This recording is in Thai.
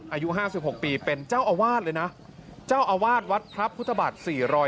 อายุห้าสิบหกปีเป็นเจ้าอาวาสเลยนะเจ้าอาวาสวัดพระพุทธบาทสี่รอย